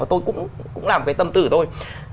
và tôi cũng làm cái tâm tử thôi